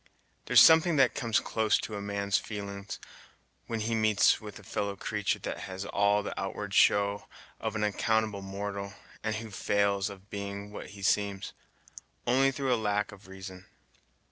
There's something that comes close to a man's feelin's, when he meets with a fellow creatur' that has all the outward show of an accountable mortal, and who fails of being what he seems, only through a lack of reason.